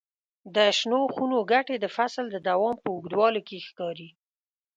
د شنو خونو ګټې د فصل د دوام په اوږدوالي کې ښکاري.